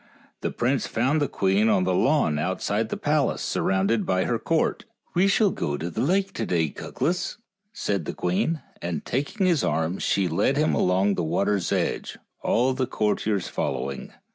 The prince found the queen on the lawn outside the palace surrounded by her court. " We shall go on the lake to day, Cuglas," said the queen, and taking his arm she led him along the water's edge, all the courtiers following.